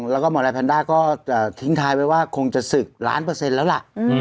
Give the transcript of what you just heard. แล้วก็หมอนายแพนด้าก็จะทิ้งท้ายไว้ว่าคงจะศึกล้านเปอร์เซ็นต์แล้วล่ะ